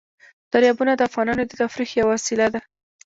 دریابونه د افغانانو د تفریح یوه وسیله ده.